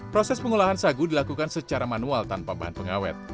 proses pengolahan sagu dilakukan secara manual tanpa bahan pengawet